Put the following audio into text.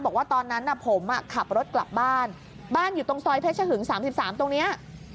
บอกว่าตอนนั้นอ่ะผมอ่ะขับรถกลับบ้านบ้านอยู่ตรงซอยเพชรหึงสามสิบสามตรงเนี้ย